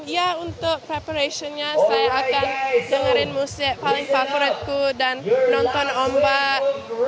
ya untuk reparation nya saya akan dengerin musik paling favoritku dan nonton ombak